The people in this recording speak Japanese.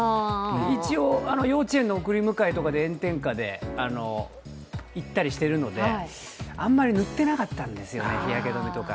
一応、幼稚園の送り迎えとかで炎天下で行ったりしてたのであんまり塗ってなかったんですよね、日焼け止めとか。